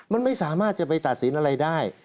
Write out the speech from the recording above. มันไม่สามารถจะไปตัดสินอะไรได้